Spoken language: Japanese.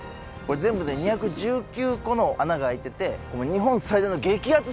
全部で２１９個の穴が開いてて日本最大の激アツ